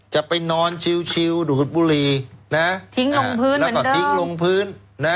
จะไปนอนชิวดูดบุหรี่ทิ้งลงพื้นแล้วก็ทิ้งลงพื้นนะ